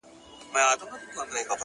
خپل ځواک د خیر په لور رهبري کړئ.